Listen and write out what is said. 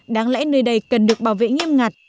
đáng lẽ nơi đây cần được bảo vệ nghiêm ngặt